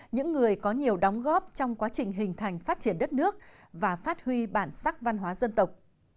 những người có nhiều đóng góp trong quá trình hình thành phát triển đất nước và phát huy bản sắc văn hóa dân tộc